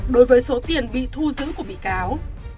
đối với số tiền bị thu giữ của bị cáo